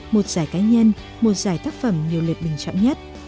một giải cá nhân một giải tác phẩm nhiều lệch bình chẳng nhất